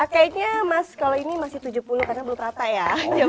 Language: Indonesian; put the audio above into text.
kayaknya mas kalau ini masih tujuh puluh karena belum rata ya